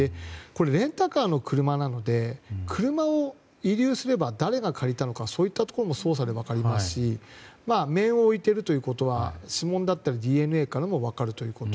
レンタカーの車なので車を遺留すれば誰が借りたのか、そういったのも捜査で分かりますし仮面を置いているということは指紋だったりＤＮＡからも分かるということ。